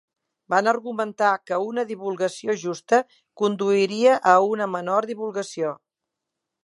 Van argumentar que una divulgació justa conduiria a una menor divulgació.